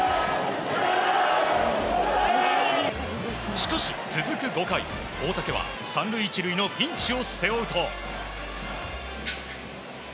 しかし、続く５回大竹は３塁１塁のピンチを背負うと。